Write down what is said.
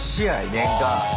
年間。